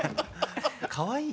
かわいい？